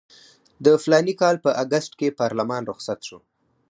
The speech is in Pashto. د فلاني کال په اګست کې پارلمان رخصت شو.